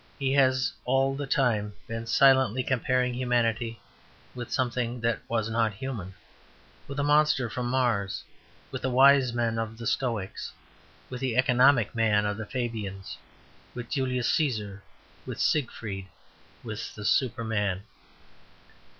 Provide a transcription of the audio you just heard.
He has all the time been silently comparing humanity with something that was not human, with a monster from Mars, with the Wise Man of the Stoics, with the Economic Man of the Fabians, with Julius Caesar, with Siegfried, with the Superman.